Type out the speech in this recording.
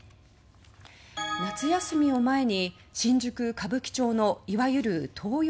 夏休みを前に新宿・歌舞伎町のいわゆる「トー横」